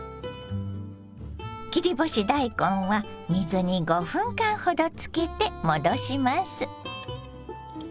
切り干し大根は水に５分間ほどつけて戻します。